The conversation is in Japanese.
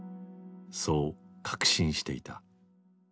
そう確信していた。